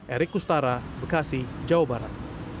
erik kustara bekasi jawa barat